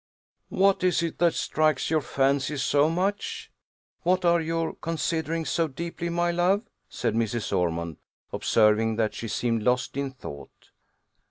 "What is it that strikes your fancy so much? What are you considering so deeply, my love?" said Mrs. Ormond, observing, that she seemed lost in thought.